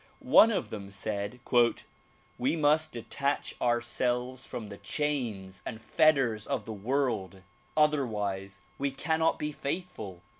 One of them said "We must detach ourselves from the chains and fetters of the world; otherwise we cannot be faithful."